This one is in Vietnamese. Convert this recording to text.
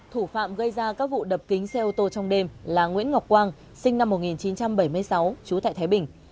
thủ phạm gây ra các vụ đập kính xe ô tô trong đêm là nguyễn ngọc quang sinh năm một nghìn chín trăm bảy mươi sáu trú tại thái bình